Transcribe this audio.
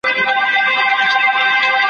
پاچاهان یو په ټولۍ کي د سیالانو !.